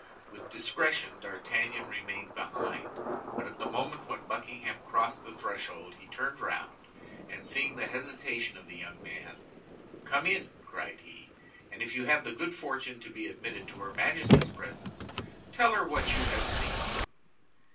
With discretion D'Artagnan remained behind; but at the moment when Buckingham crossed the threshold, he turned round, and seeing the hesitation of the young man, "Come in!" cried he, "and if you have the good fortune to be admitted to her Majesty's presence, tell her what you have seen."